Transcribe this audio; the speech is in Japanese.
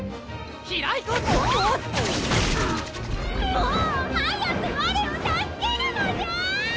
もう早く我を助けるのじゃ！